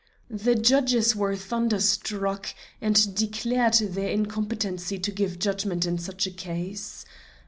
The judges were thunderstruck, and declared their incompetency to give judgment in such a case.